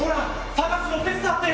探すの手伝って！